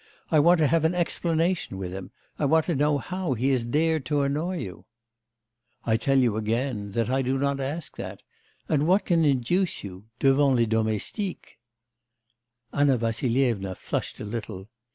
I want to have an explanation with him. I want to know how he has dared to annoy you.' 'I tell you again, that I do not ask that. And what can induce you ... devant les domestiques!' Anna Vassilyevna flushed a little.